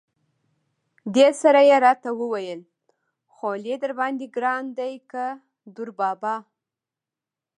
دې سره یې را ته وویل: خولي درباندې ګران دی که دوربابا.